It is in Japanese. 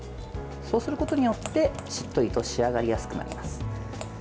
そうすることによってしっとりと仕上がりやすくなります。